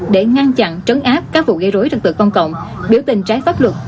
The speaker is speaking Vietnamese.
để ngăn chặn trấn áp các vụ gây rối trật tự công cộng biểu tình trái pháp luật